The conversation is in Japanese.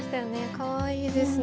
かわいいですね。